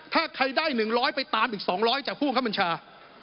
ถ้าใครได้๑๐๐ไปตามอีก๒๐๐จากผู้บังคับบัญชา